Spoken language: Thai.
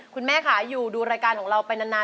คุณแม่ค่ะอยู่ดูรายการของเราไปนาน